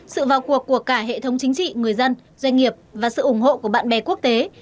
sự vào cuộc của cả hệ thống chính trị người dân doanh nghiệp và sự ủng hộ của bạn bè quốc tế